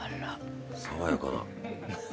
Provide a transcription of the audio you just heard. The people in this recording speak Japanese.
爽やかな。